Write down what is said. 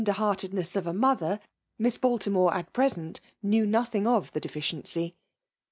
heartedBess of a mother. Miss Baltimore at present knew nothing of the deficiency.